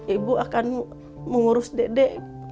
ibu akan mengurus dede